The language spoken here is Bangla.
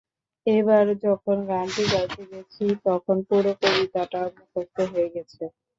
এবার যখন গানটি গাইতে গেছি, তখন পুরো কবিতাটা মুখস্থ হয়ে গেছে।